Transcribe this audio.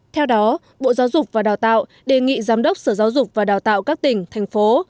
theo đó bộ giáo dục và đào tạo đề nghị giám đốc sở giáo dục và đào tạo các tỉnh thành phố